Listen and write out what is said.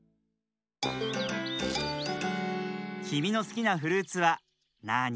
きみのすきなフルーツはなあに？